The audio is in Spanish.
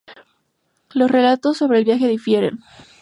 Los relatos sobre el viaje difieren.